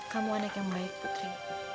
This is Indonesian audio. kamu anak yang baik putri